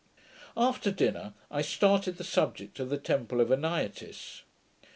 After dinner I started the subject of the temple of Anaitis.